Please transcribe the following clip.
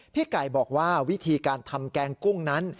พี่ไก่บอกว่าวิธีการทำแกงกุ้งนั้น